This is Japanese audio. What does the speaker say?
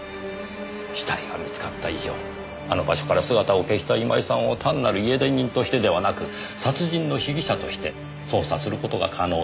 死体が見つかった以上あの場所から姿を消した今井さんを単なる家出人としてではなく殺人の被疑者として捜査する事が可能になります。